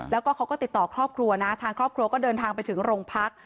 แล้วก็เขาก็ติดต่อครอบครัวนะทางครอบครัวก็เดินทางไปถึงโรงพัก